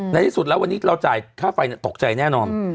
ในที่สุดแล้ววันนี้เราจ่ายค่าไฟตกใจแน่นอน